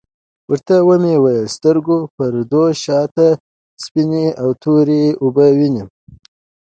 ورته ومي ویل د سترګو د پردو شاته سپیني او توری اوبه وینې ؟